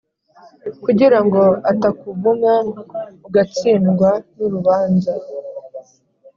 kugira ngo atakuvuma ugatsindwa n’urubanza